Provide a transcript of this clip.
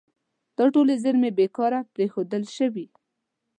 دا ټولې زیرمې بې کاره پرېښودل شوي.